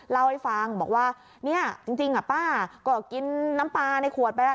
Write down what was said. เล่าให้ฟังบอกว่าเนี่ยจริงป้าก็กินน้ำปลาในขวดไป